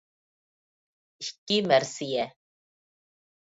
ئىككى مەرسىيە